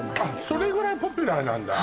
それぐらいポピュラーなんだ？